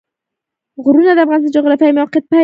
غرونه د افغانستان د جغرافیایي موقیعت پایله ده.